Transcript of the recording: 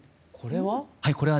これは？